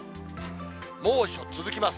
猛暑続きます。